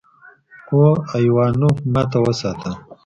او ايوانوف ماته وساته.